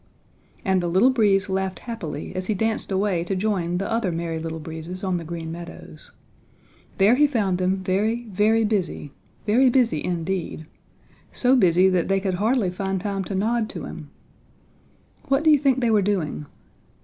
And the Little Breeze laughed happily as he danced away to join the other Merry Little Breezes on the Green Meadows. There he found them very, very busy, very busy indeed, so busy that they could hardly find time to nod to him. What do you think they were doing?